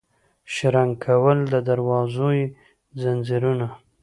شرنګول د دروازو یې ځنځیرونه